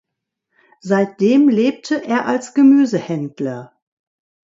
Seitdem lebte er als Gemüsehändler.